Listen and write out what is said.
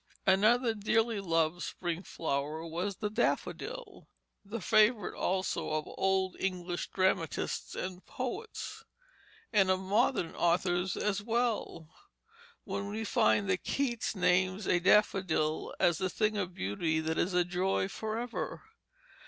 Another dearly loved spring flower was the daffodil, the favorite also of old English dramatists and poets, and of modern authors as well, when we find that Keats names a daffodil as, the thing of beauty that is a joy forever.